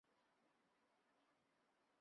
山东兖州平阴县东阿镇洪范村人。